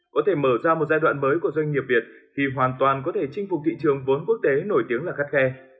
có thể mở ra một giai đoạn mới của doanh nghiệp việt thì hoàn toàn có thể chinh phục thị trường vốn quốc tế nổi tiếng là khắt khe